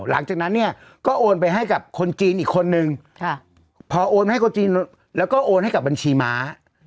หลังจากนั้นเนี่ยก็โอนไปให้กับคนจีนอีกคนนึงพอโอนมาให้คนจีนแล้วก็โอนให้กับบัญชีม้า